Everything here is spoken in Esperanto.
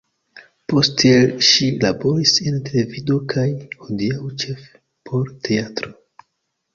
Poste, ŝi laboris en televido kaj, hodiaŭ, ĉefe por teatro.